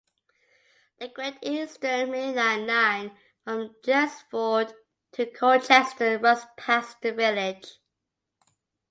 The Great Eastern Main Line line from Chelmsford to Colchester runs past the village.